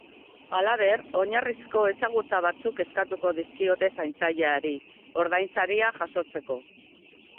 Halaber, oinarrizko ezagutza batzuk eskatuko dizkiote zaintzaileari, ordainsaria jasotzeko.